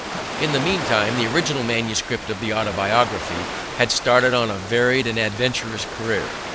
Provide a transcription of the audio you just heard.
In the meantime the original manuscript of the Autobiography had started on a varied and adventurous career.